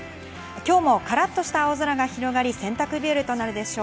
今日もカラッとした青空が広がり、洗濯日和となるでしょう。